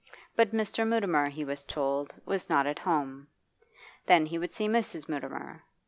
But Mr. Mutimer, he was told, was not at home. Then he would see Mrs. Mutimer.